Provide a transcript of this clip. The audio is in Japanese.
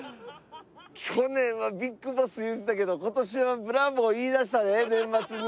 去年はＢＩＧＢＯＳＳ言うてたけど今年はブラボー言いだしたで年末に。